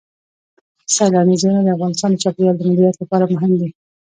سیلانی ځایونه د افغانستان د چاپیریال د مدیریت لپاره مهم دي.